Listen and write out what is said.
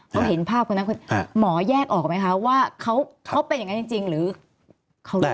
เขาเห็นภาพคนนั้นคุณหมอแยกออกไหมคะว่าเขาเป็นอย่างนั้นจริงหรือเขารู้